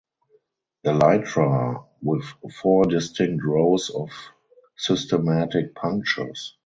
Elytra with four distinct rows of systematic punctures.